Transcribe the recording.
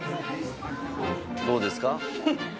どうですか？